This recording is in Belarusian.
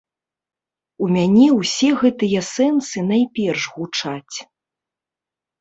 У мяне ўсе гэтыя сэнсы найперш гучаць.